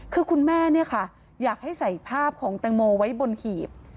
คือคุณแม่อยากให้ใส่ภาพของตังโมไว้บนขีบ